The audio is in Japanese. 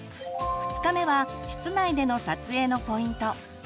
２日目は室内での撮影のポイント。